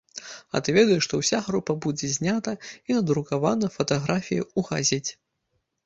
А ты ведаеш, што ўся група будзе знята і надрукавана фатаграфія ў газеце.